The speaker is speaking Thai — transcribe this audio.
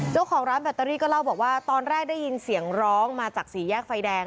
เจ้าของร้านแบตเตอรี่ก็เล่าบอกว่าตอนแรกได้ยินเสียงร้องมาจากสี่แยกไฟแดง